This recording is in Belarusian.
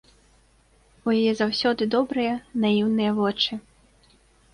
У яе заўсёды добрыя, наіўныя вочы.